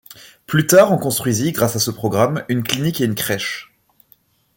Plus tard, on construisit, grâce à ce programme, une clinique et une crèche.